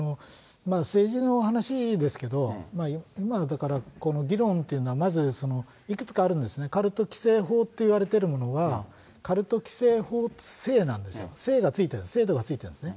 政治の話ですけれど、今だからこの議論というのは、まずいくつかあるんですね、カルト規制法っていわれてるものは、カルト規制法制なんですよ、制がついてるんです、制度がついてるんです。